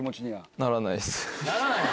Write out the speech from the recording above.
ならないっす。